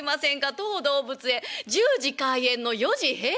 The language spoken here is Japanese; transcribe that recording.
当動物園１０時開園の４時閉園」。